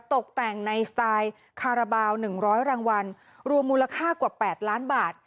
ตกแต่งในสไตล์คาราบาล๑๐๐รางวัลรวมมูลค่ากว่า๘ล้านบาท